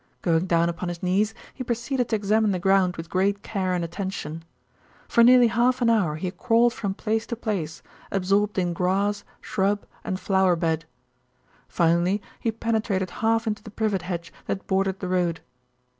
Going down upon his knees, he proceeded to examine the ground with great care and attention. For nearly half an hour he crawled from place to place, absorbed in grass, shrub, and flower bed. Finally he penetrated half into the privet hedge that bordered the road.